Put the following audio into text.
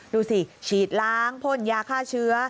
ดูสิฉีดล้างพ่นยาฆ่าเชื้อ